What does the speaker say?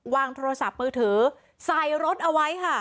โทรศัพท์มือถือใส่รถเอาไว้ค่ะ